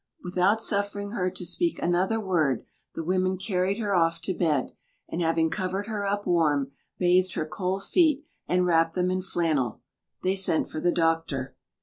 Without suffering her to speak another word, the women carried her off to bed; and having covered her up warm, bathed her cold feet, and wrapped them in flannel, they sent for the doctor.